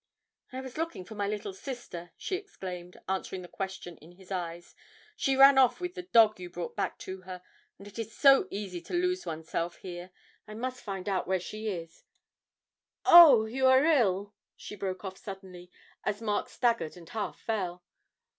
'I was looking for my little sister,' she exclaimed, answering the question in his eyes. 'She ran off with the dog you brought back to her, and it is so easy to lose oneself here. I must find out where she is oh, you are ill!' she broke off suddenly, as Mark staggered and half fell.